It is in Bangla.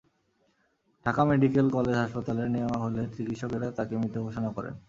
ঢাকা মেডিকেল কলেজ হাসপাতালে নেওয়া হলে চিকিৎসকেরা তাঁকে মৃত ঘোষণা করেন।